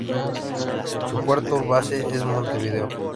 Su puerto base es Montevideo.